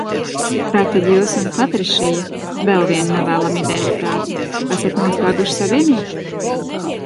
Tātad jūs un Patrišija, vēl viena nevēlama identitāte, esat noslēguši savienību?